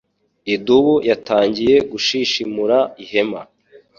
Idubu yatangiye gushishimura ihema.